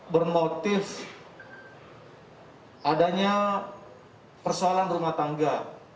bermotif adanya persoalan rumah tangga